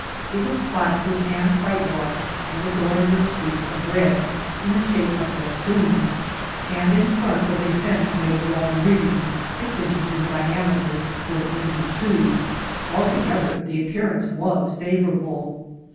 It was plastered and whitewashed, and adorned with streaks of red in the shape of fes toons ; and in front was a fence made of long reeds, six inches in diameter, split into two ; altogether the appearance was favourable.